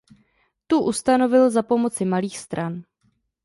Tu ustanovil za pomoci malých stran.